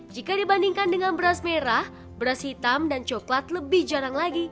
jika dibandingkan dengan beras merah beras hitam dan coklat lebih jarang lagi